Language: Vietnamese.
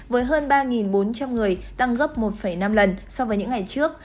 với hơn ba bốn trăm linh người tăng gấp một năm lần so với những ngày trước